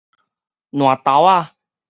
爛豆仔